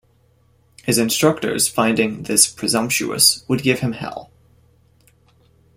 His instructors, finding this presumptuous, would give him hell.